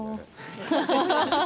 ハハハハハ。